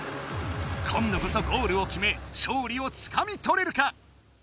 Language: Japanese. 今度こそゴールを決め勝利をつかみとれるか？